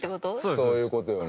そういう事よね。